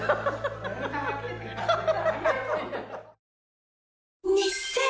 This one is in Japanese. ハハハハ！